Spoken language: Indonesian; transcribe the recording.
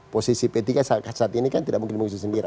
posisi p tiga saat ini kan tidak mungkin mengusung sendiri